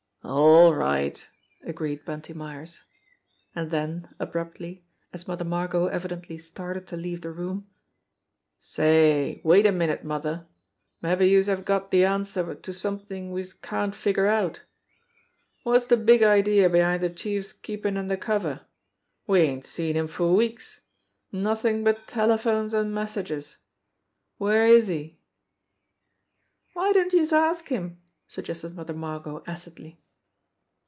"All right," agreed Bunty Myers. And then abruptly as Mother Margot evidently started to leave the room : "Say, wait a minute, mother! Mabbe youse have got de answer to somethin' we'se can't figure out. Wot's de big idea be hind de Chief's keepin' under cover? We ain't seen him for weeks nothin' but telephones an' messages. Where is he?" "Why don't youse ask him?" suggested Mother Margot acidly.